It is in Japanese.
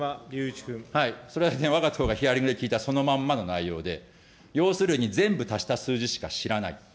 それはわが党がヒアリングで聞いたそのまんまの内容で、要するに全部足した数字しか知らない。